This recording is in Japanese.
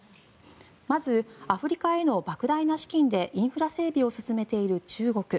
まず、アフリカへのばく大な資金でインフラ整備を進めている中国。